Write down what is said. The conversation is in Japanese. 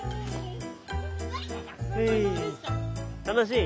楽しい？